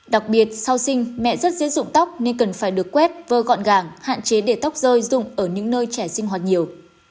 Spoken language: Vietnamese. đặc biệt sau sinh mẹ rất dễ dụng tóc nên cần phải được quét vơ gọn gàng hạn chế để tóc rơi rụng ở những nơi trẻ sinh hoạt nhiều